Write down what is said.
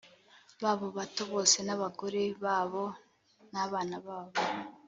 babo bato bose n abagore babo n abana babo